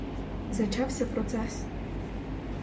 Зачався процес.